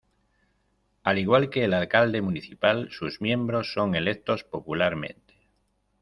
Al igual que el Alcalde Municipal sus miembros son electos popularmente.